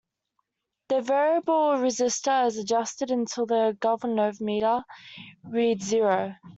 The variable resistor is adjusted until the galvanometer reads zero.